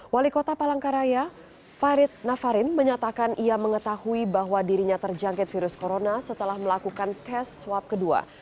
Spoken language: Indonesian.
wali kota palangkaraya farid nafarin menyatakan ia mengetahui bahwa dirinya terjangkit virus corona setelah melakukan tes swab kedua